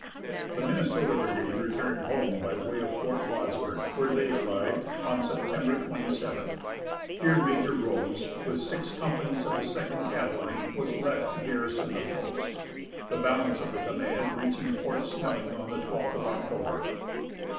The Minnesota brigade returned home by way of Fort Wadsworth, where they arrived on September 27th. Here Major Rose, with six companies of the Second Cavalry, was left to garrison the post, the balance of the command reaching Fort Snelling on the 12th of October.